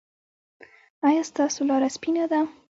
ایا ستاسو لاره سپینه ده؟